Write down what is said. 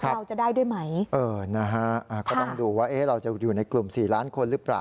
เราจะได้ด้วยไหมเออนะฮะก็ต้องดูว่าเราจะอยู่ในกลุ่ม๔ล้านคนหรือเปล่า